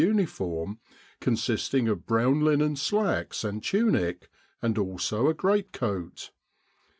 uniform, consisting of brown linen slacks and tunic, and also a great coat.